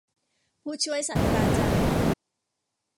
ผู้ช่วยศาสตราจารย์